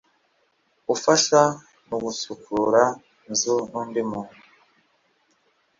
ufasha mu gusukura inzu n'undi muntu